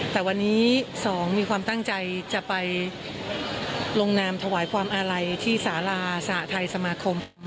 แต่วันนี้๒มีความตั้งใจจะไปลงนามถวายความอาลัยที่สาราสหทัยสมาคม